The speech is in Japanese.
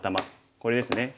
これですね。